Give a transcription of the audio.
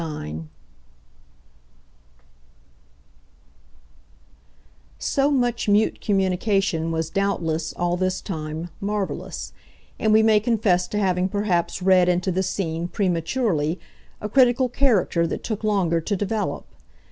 IX So much mute communication was doubtless, all this time, marvellous, and we may confess to having perhaps read into the scene, prematurely, a critical character that took longer to develop.